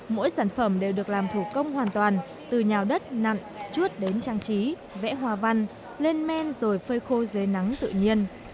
mỗi sản phẩm đều được làm thủ công hoàn toàn từ nhào đất nặn chuốt đến trang trí vẽ hoa văn lên men rồi phơi khô dưới nắng tự nhiên